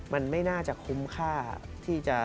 มันไม่น่าจะคุ้มค่าที่จะ